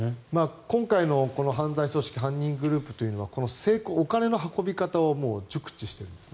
今回の犯罪グループというのはお金の運び方を熟知しているんですね。